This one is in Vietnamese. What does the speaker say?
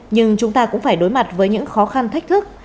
nhưng chúng ta cũng phải đối mặt với những khó khăn thách thức